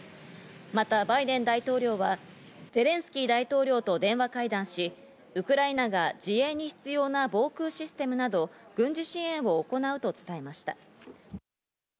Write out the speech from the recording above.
また、バイデン大統領はゼレンスキー大統領と電話会談し、ウクライナが自衛に必要な防空システムなど軍事支援を行うと伝えました。